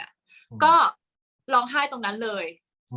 กากตัวทำอะไรบ้างอยู่ตรงนี้คนเดียว